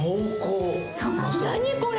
何これ？